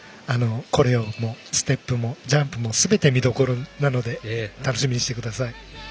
コレオもステップもジャンプもすべて見どころなので楽しみにしていてください。